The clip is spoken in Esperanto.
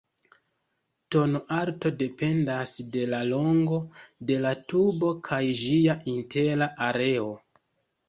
Ton-alto dependas de longo de la tubo kaj ĝia intera areo.